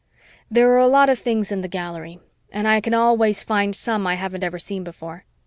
There are a lot of things in the Gallery and I can always find some I haven't ever seen before.